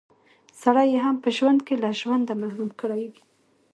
سړی يې هم په ژوند کښې له ژونده محروم کړی وي